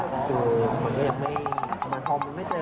คือคนที่ยังไม่เหมือนพอไม่เจอ